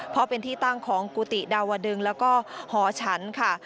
เพราะเป็นที่ตั้งของกุฏิดาวดึงแล้วก็หอฉันค่ะ